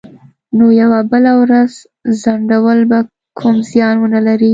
نو یوه بله ورځ ځنډول به کوم زیان ونه لري